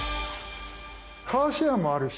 カーシェアもあるし